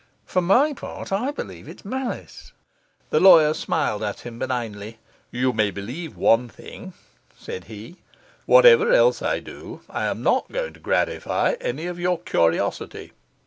For my part, I believe it's malice.' The lawyer smiled at him benignly. 'You may believe one thing,' said he. 'Whatever else I do, I am not going to gratify any of your curiosity.